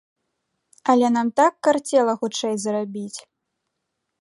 Але нам так карцела хутчэй зарабіць!